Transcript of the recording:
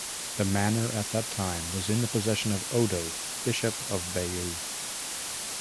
The manor at that time was in the possession of Odo, Bishop of Bayeux.